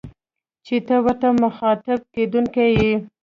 چي ته ورته مخاطب کېدونکی يې